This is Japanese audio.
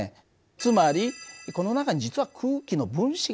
つまりこの中に実は空気の分子がある。